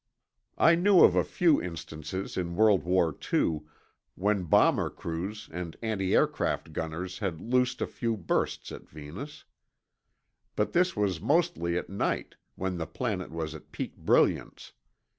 I knew of a few instances in World War II when bomber crews and antiaircraft gunners had loosed a few bursts at Venus. But this was mostly at night, when the planet was at peak brilliance.